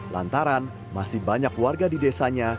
lantaran masih banyak warga di desanya